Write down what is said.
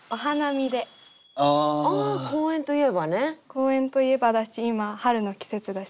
公園といえばだし今春の季節だし。